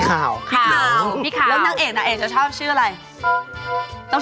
คาวชื่อขาวพี่ขาว